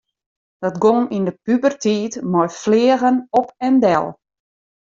Dat gong yn de puberteit mei fleagen op en del.